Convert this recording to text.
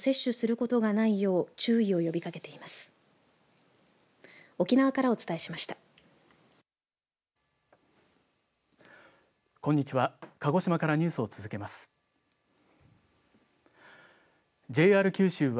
こんにちは。